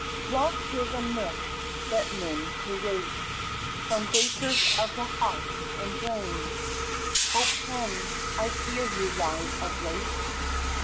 Love is a myth that men create From vapors of the heart and brain, O pen, I fear you lied of late!